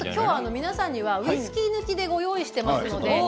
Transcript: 皆さんにはウイスキー抜きでご用意しています。